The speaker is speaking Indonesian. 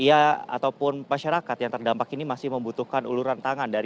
ataupun masyarakat yang terdampak ini masih membutuhkan uluran tangan